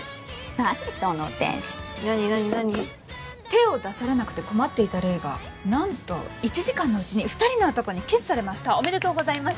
何そのテンション何何何手を出されなくて困っていた黎が何と１時間のうちに２人の男にキスされましたおめでとうございます